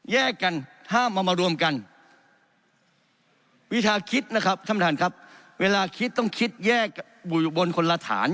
แยกกันห้ามเอามารวมกันวิธีคิดนะครับท่านประธานครับเวลาคิดต้องคิดแยกอยู่บนคนละฐาน